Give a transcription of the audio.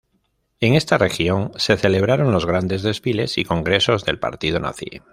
En esta región se celebraron los grandes desfiles y congresos del partido nazi.